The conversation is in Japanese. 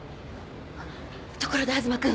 ところで東くん。